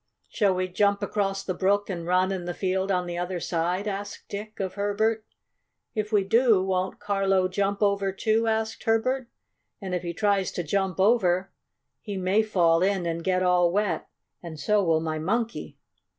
"Shall we jump across the brook and run in the field on the other side?" asked Dick of Herbert. "If we do, won't Carlo jump over, too?" asked Herbert. "And if he tries to jump over, he may fall in and get all wet, and so will my Monkey."